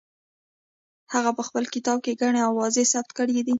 هغه په خپل کتاب کې ګڼې اوازې ثبت کړې دي.